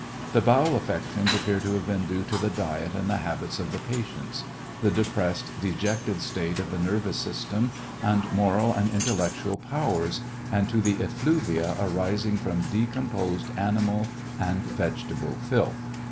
The bowol affections appear to have been due to the diet and habits of the patients ; the depressed, dejected state of the neiTous system and moral and intellectual powers and to the effluvia arising from decomposed animal and vegetable filth.